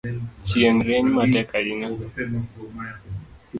Chieng’ rieny matek ahinya